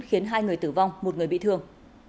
khiến hai người tử vong một người bị thương